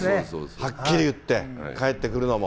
はっきり言って、帰ってくるのも。